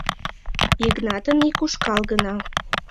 Йыгнатын ик ушкал гына.